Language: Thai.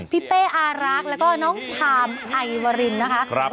พี่เต้อารักแล้วก็น้องชามไอวรินนะคะ